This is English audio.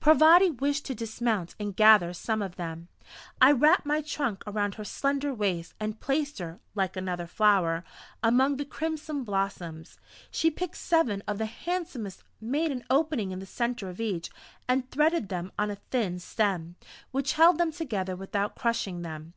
Parvati wished to dismount and gather some of them. I wrapped my trunk around her slender waist, and placed her like another flower among the crimson blossoms. She picked seven of the handsomest, made an opening in the centre of each, and threaded them on a thin stem, which held them together without crushing them.